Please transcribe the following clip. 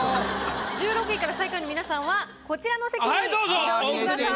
１６位から最下位の皆さんはこちらの席に移動してください。